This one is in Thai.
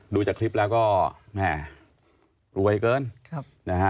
ดูจากคลิปแล้วก็รวยเกิน